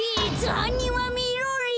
はんにんはみろりん。